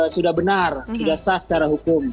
sudah benar sudah sah secara hukum